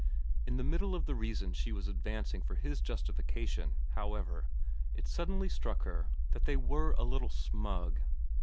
In the middle of the reasons she was advancing for his justification, however, it suddenly struck her that they were a little smug.